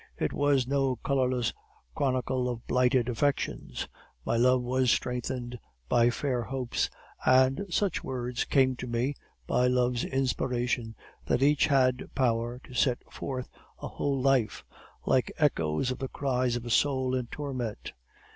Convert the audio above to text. It was no colorless chronicle of blighted affections; my love was strengthened by fair hopes; and such words came to me, by love's inspiration, that each had power to set forth a whole life like echoes of the cries of a soul in torment.